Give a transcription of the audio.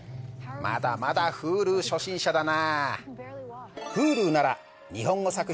まだまだＨｕｌｕ初心者だな。